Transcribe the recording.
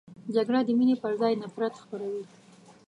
جګړه د مینې پر ځای نفرت خپروي